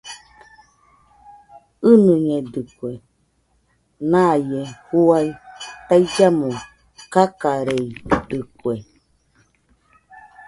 ɨnɨñedɨkue, naie juaɨ taillamo kakareidɨkue